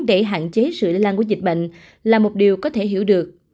để hạn chế sự lây lan của dịch bệnh là một điều có thể hiểu được